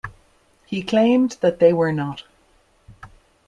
He claimed that they were not.